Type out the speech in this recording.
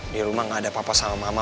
di rumah gak ada papa sama mama